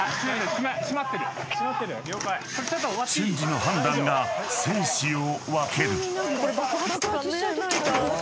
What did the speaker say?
［瞬時の判断が生死を分ける］